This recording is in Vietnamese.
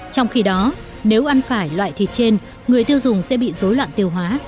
trong khi đó nếu ăn phải loại thịt trên người tiêu dùng sẽ bị dối loạn tiêu hóa